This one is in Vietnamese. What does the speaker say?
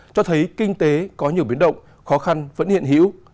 cho thấy kinh tế có nhiều biến động khó khăn vẫn hiện hữu